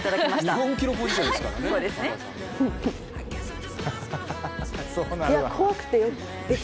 日本記録保持者ですからね、秦さん。